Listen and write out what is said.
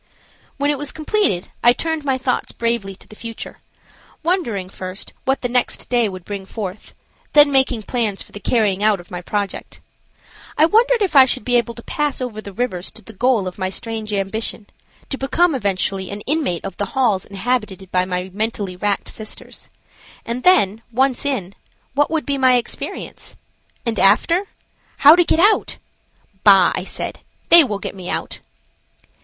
When it was completed, I turned my thoughts bravely to the future, wondering, first, what the next day would bring forth, then making plans for the carrying out of my project. I wondered if I should be able to pass over the river to the goal of my strange ambition, to become eventually an inmate of the halls inhabited by my mentally wrecked sisters. And then, once in, what would be my experience? And after? How to get out? Bah! I said, they will get me out.